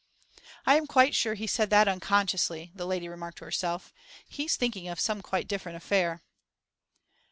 'I am quite sure he said that unconsciously,' the lady remarked to herself. 'He's thinking of some quite different affair.